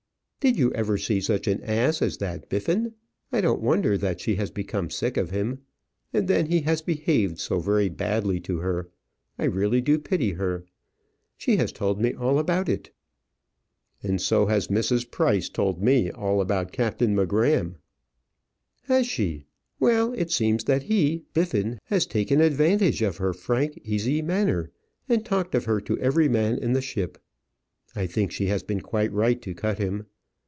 "Did you ever see such an ass as that Biffin? I don't wonder that she has become sick of him; and then he has behaved so very badly to her. I really do pity her. She has told me all about it." "And so has Mrs. Price told me all about Captain M'Gramm." "Has she? Well! It seems that he, Biffin, has taken advantage of her frank, easy manner, and talked of her to every man in the ship. I think she has been quite right to cut him."